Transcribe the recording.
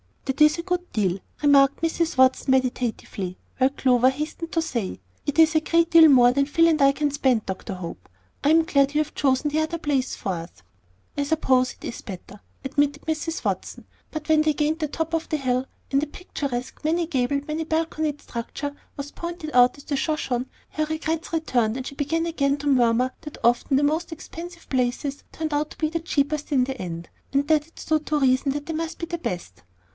"That is a good deal," remarked Mrs. Watson, meditatively, while Clover hastened to say, "It is a great deal more than Phil and I can spend, Dr. Hope; I am glad you have chosen the other place for us." "I suppose it is better," admitted Mm Watson; but when they gained the top of the hill, and a picturesque, many gabled, many balconied structure was pointed out as the Shoshone, her regrets returned, and she began again to murmur that very often the most expensive places turned out the cheapest in the end, and that it stood to reason that they must be the best.